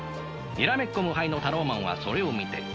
にらめっこ無敗のタローマンはそれを見て。